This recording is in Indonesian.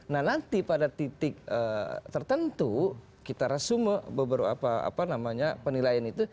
nah nanti pada titik tertentu kita resume beberapa apa namanya penilaian itu